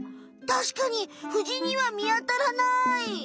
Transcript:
たしかにフジにはみあたらない！